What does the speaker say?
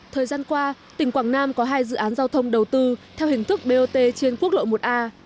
thời gian qua tỉnh quảng nam có hai dự án giao thông đầu tư theo hình thức bot trên quốc lộ một a